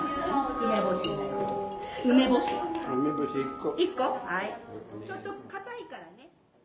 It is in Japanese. ちょっと硬いからね。